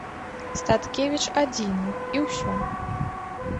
Статкевіч адзіны, і ўсё.